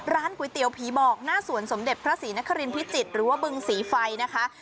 ก๋วยเตี๋ยวผีบอกหน้าสวนสมเด็จพระศรีนครินพิจิตรหรือว่าบึงศรีไฟนะคะ